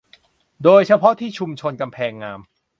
โดยเฉพาะที่ชุมชนกำแพงงาม